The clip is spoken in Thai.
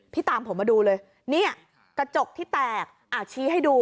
ตามผมมาดูเลยเนี่ยกระจกที่แตกชี้ให้ดู